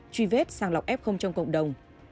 truy vết sang lọc f trong cộng đồng